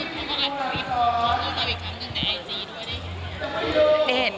มันก็อาจคุยกับหนูแล้วอีกครั้งกันในไอจีด้วยด้วย